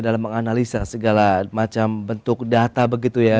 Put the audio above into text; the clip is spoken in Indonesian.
dalam menganalisa segala macam bentuk data begitu ya